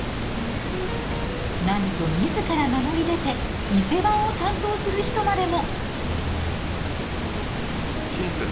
なんと自ら名乗り出て店番を担当する人までも！